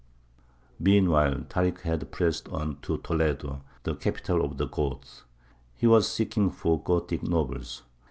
] Meanwhile Tārik had pressed on to Toledo, the capital of the Goths. He was seeking for the Gothic nobles.